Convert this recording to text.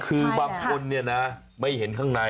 คือบางคนเนี่ยนะไม่เห็นข้างใน